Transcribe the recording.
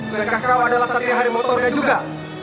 bukankah kau adalah satria harimau torda juga